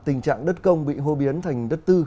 tình trạng đất công bị hô biến thành đất tư